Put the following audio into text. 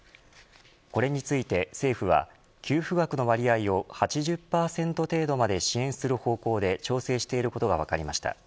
これについて政府は給付額の割合を８０％程度まで支援する方向で調整していることが分かりました。